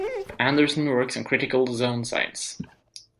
Anderson works on critical zone science.